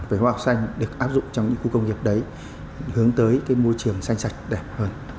về hoa học xanh được áp dụng trong những khu công nghiệp đấy hướng tới cái môi trường xanh sạch đẹp hơn